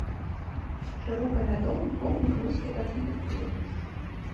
Шырока вядомы помнік рускай архітэктуры.